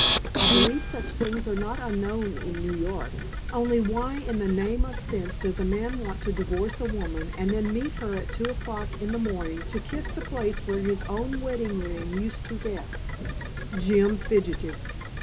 I believe such things are not unknown in New York, only why in the name of sense does a man want to divorce a woman and then meet her at two o'clock in the morning to kiss the place where his own wedding ring used to rest?" Jim fidgeted.